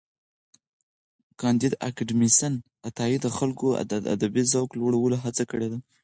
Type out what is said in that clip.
کانديد اکاډميسن عطایي د خلکو د ادبي ذوق لوړولو هڅه کړې ده.